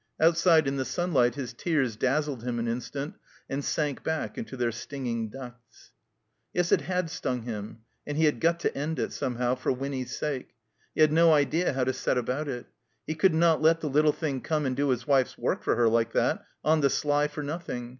Outside in the sunlight his tears dazzled him an instant and sank back into their stinging ducts. Yes, it had stung him. And he had got to end it, somehow, for Winny's sake. He had no idea how to set about it. He could not let the little thing come and do his wife's work for her, like that, on the sly, for nothing.